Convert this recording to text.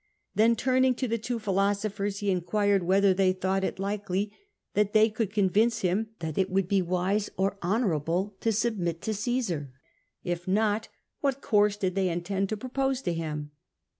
Then, turning to the two philosophers, he inquired whether they thought it likely that they could convince him that it would be wise or honourable to submit to Caesar. If not, what course did they intend to propose to him